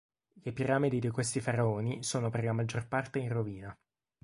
Le piramidi di questi faraoni sono per la maggior parte in rovina.